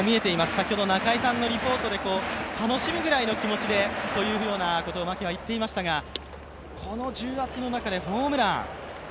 先ほど中居さんのリポートで楽しむくらいの気持ちでというようなことを牧は言っていましたがこの重圧の中でホームラン。